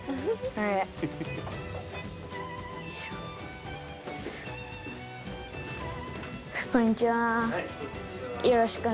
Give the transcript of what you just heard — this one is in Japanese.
はいこんにちは。